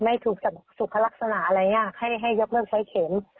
ไม่ถูกสุขลักษณะอะไรอย่างนี้ให้ยกเลิกใช้เข็ม